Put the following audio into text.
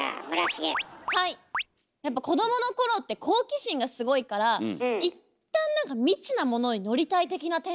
やっぱ子どもの頃って好奇心がすごいからいったんなんか未知な物に乗りたい的なテンションで。